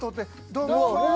どうも。